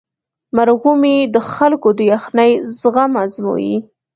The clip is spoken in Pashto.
مرغومی د خلکو د یخنۍ زغم ازمويي.